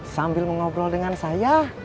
sambil mengobrol dengan saya